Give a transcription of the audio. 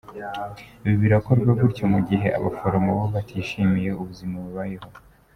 Ibi birakorwa gutya mu gihe abaforomo bo batishimiye ubuzima babayeho.